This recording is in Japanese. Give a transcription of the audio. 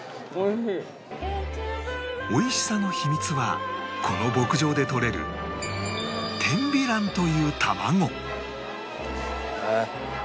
美味しさの秘密はこの牧場でとれる天美卵という卵